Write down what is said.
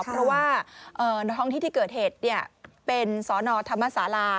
เพราะว่าท้องที่ที่เกิดเหตุเป็นสนธรรมศาลา